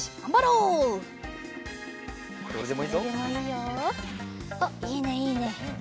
おっいいねいいね。